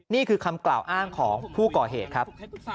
นี่คือคำกล่าวอ้างของผู้ก่อเหตุครับ